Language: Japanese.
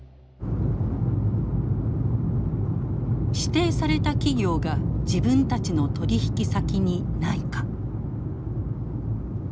指定された企業が自分たちの取引先にないか。